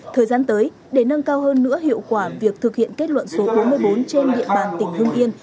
thời gian tới để nâng cao hơn nữa hiệu quả việc thực hiện kết luận số bốn mươi bốn trên địa bàn tỉnh hưng yên